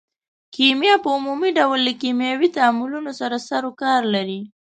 کیمیا په عمومي ډول له کیمیاوي تعاملونو سره سرو کار لري.